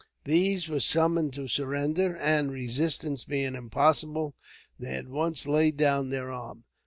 These were summoned to surrender; and, resistance being impossible, they at once laid down their arms.